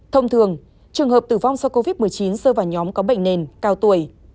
thông thường trường hợp tử vong do covid một mươi chín rơi vào nhóm có bệnh nền cao tuổi